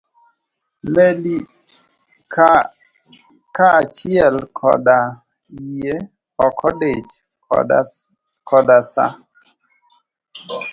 meli kaa achiel koda yie ok odich koda sa.